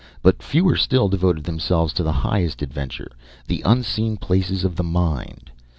But fewer still devoted themselves to the highest adventure, the unseen places of the mind.